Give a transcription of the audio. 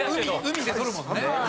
海でとるもんね。